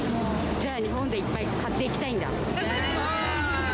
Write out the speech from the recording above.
じゃあ日本でいっぱい買っていきたいんだ？